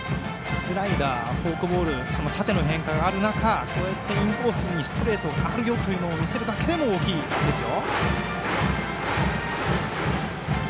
スライダー、フォークボール縦の変化がある中こうやってインコースへのストレートもあるよというのを見せるだけでも大きいですよ。